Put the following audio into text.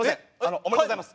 おめでとうございます。